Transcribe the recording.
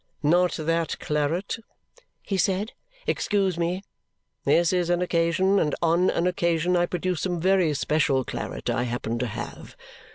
"Not that claret!" he said. "Excuse me! This is an occasion, and ON an occasion I produce some very special claret I happen to have.